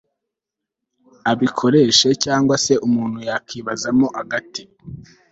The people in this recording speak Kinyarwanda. abikoreshe Cyangwa se umuntu yakibazamo agati